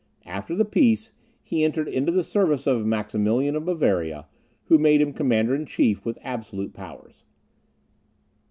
After the peace, he entered into the service of Maximilian of Bavaria, who made him commander in chief with absolute powers.